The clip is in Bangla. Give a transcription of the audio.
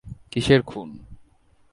কিসের খুন?